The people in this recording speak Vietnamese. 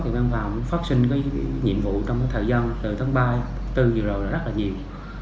thì ban phòng phát sinh cái nhiệm vụ trong cái thời gian từ tháng ba bốn vừa đầu là rất là nhiều